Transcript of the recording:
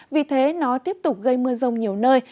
vì thế nó tiếp tục gây mưa rông nhiều nơi